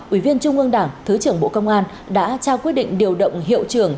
ủy viên trung ương đảng thứ trưởng bộ công an đã trao quyết định điều động hiệu trưởng